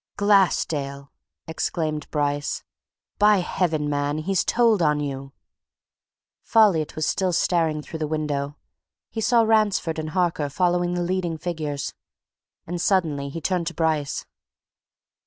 "Glassdale!" exclaimed Bryce. "By heaven, man! he's told on you!" Folliot was still staring through the window. He saw Ransford and Harker following the leading figures. And suddenly he turned to Bryce.